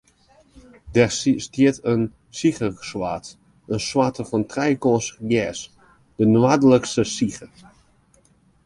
Dêr stiet in siggesoart, in soart trijekant gers, de noardske sigge.